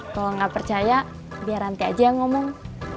kalau gak percaya biar nanti aja ngomong